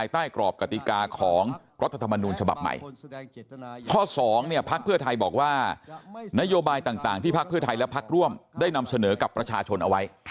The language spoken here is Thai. ที่ภาคเพื่อไทยและภาคร่วมได้นำเสนอกับประชาชนเอาไว้